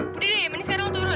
berdiri ini sekarang lo turun